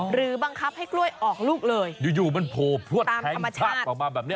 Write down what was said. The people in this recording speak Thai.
หรือบังคับให้กล้วยออกลูกเลยอยู่อยู่มันโผล่พลวดแทงชาบออกมาแบบนี้